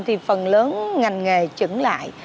thì phần lớn ngành nghề chứng lại